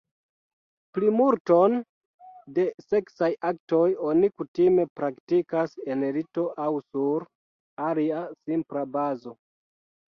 Plimulton de seksaj aktoj oni kutime praktikas en lito aŭ sur alia simpla bazo.